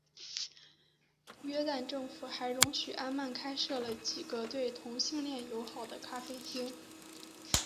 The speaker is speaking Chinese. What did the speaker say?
约旦政府还容许安曼开设了几个对同性恋友好的咖啡厅。